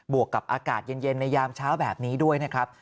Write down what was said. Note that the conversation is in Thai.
วกกับอากาศเย็นในยามเช้าแบบนี้ด้วยนะครับ